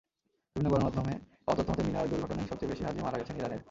বিভিন্ন গণমাধ্যমে পাওয়া তথ্যমতে, মিনার দুর্ঘটনায় সবচেয়ে বেশি হাজি মারা গেছেন ইরানের।